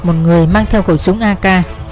một người mang theo khẩu súng ak